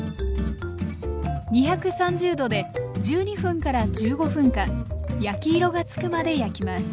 ２３０℃で１２分１５分間焼き色がつくまで焼きます。